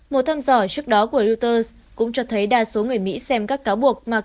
một thăm dò trước đó của reuters cũng cho thấy đa số người mỹ xem các cáo buộc mà